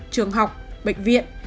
trường học bệnh viện